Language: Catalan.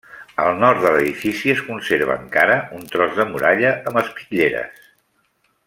Al nord de l'edifici es conserva encara un tros de muralla amb espitlleres.